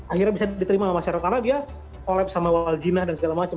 akhirnya bisa diterima sama syarotana dia collab sama waljina dan segala macem